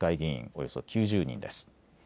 およそ９０人です。